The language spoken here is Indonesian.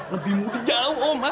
lebih muda jauh om